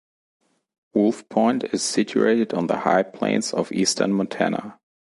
Wolf Point is situated on the High Plains of eastern Montana.